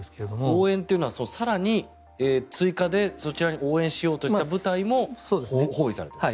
応援というのは更に追加でそちらに応援しようという部隊も包囲されている。